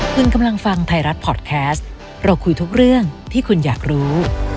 คุณกำลังฟังไทยรัฐพอร์ตแคสต์เราคุยทุกเรื่องที่คุณอยากรู้